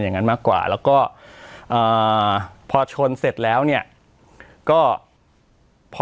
อย่างนั้นมากกว่าแล้วก็อ่าพอชนเสร็จแล้วเนี่ยก็พอ